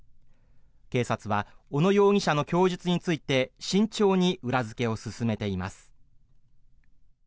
警察は小野容疑者の供述について慎重に裏付けを進めています。